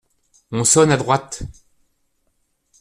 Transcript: On sonne à droite.